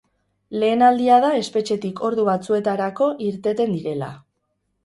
Lehen aldia da espetxetik ordu batzuetarako irteten direla.